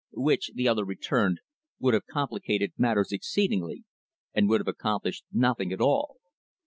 "Which" the other returned "would have complicated matters exceedingly, and would have accomplished nothing at all.